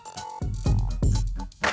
kopi pergi dulu ya